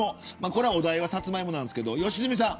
これはお題はサツマイモですけど良純さん。